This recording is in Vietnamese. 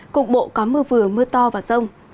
cục bộ có mưa vừa mưa to vào rông